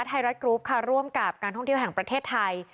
ไทยรัฐกรุ๊ปค่ะร่วมกับการท่องเที่ยวแห่งประเทศไทย